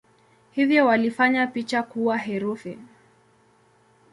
Hivyo walifanya picha kuwa herufi.